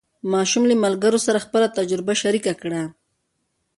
ماشوم له ملګرو سره خپله تجربه شریکه کړه